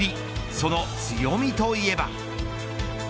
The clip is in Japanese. その強みといえば。